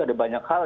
ada banyak hal